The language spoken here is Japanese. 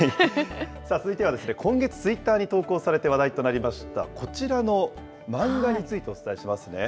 続いては、今月ツイッターに投稿されて話題となりました、こちらの漫画についてお伝えしますね。